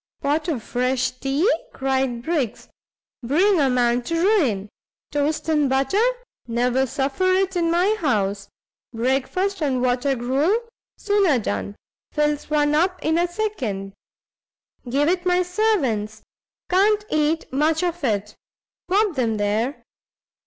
"Pot of fresh tea," cried Briggs, "bring a man to ruin; toast and butter! never suffer it in my house. Breakfast on water gruel, sooner done; fills one up in a second. Give it my servants; can't eat much of it. Bob 'em there!"